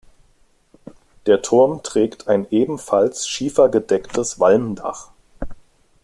Der Turm trägt ein ebenfalls schiefergedecktes Walmdach.